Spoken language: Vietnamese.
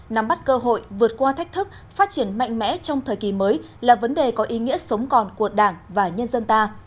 nắm bắt cơ hội vượt qua thách thức phát triển mạnh mẽ trong thời kỳ mới là vấn đề có ý nghĩa sống còn của đảng và nhân dân ta